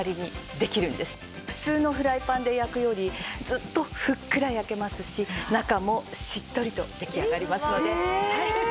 普通のフライパンで焼くよりずっとふっくら焼けますし中もしっとりと出来上がりますので。